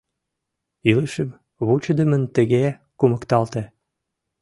Илышем вучыдымын тыге кумыкталте.